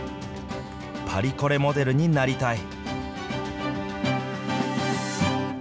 パリコレモデルになりたい。